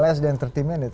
lebih dari tiga puluh menit